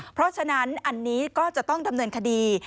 เพราะฉะนั้นอันนี้ก็จะต้องดำเนินคดี